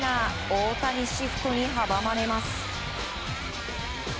大谷シフトに阻まれます。